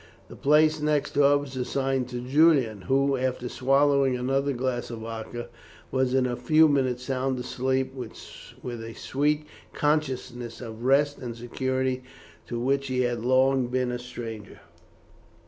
The place next to her was assigned to Julian, who, after swallowing another glass of vodka, was in a few minutes sound asleep, with a sweet consciousness of rest and security to which he had long been a stranger.